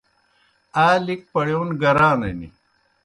آ لِک پڑِیون گرانِن۔